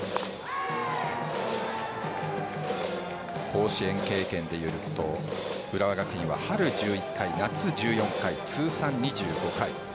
甲子園経験で言うと浦和学院は春、１１回夏、１４回通算２５回。